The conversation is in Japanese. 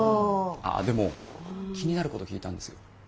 あでも気になること聞いたんですよ。